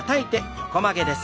横曲げです。